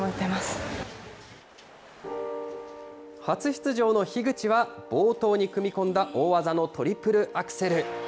初出場の樋口は、冒頭に組み込んだ大技のトリプルアクセル。